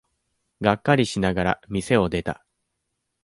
がっかりしながら店を出た。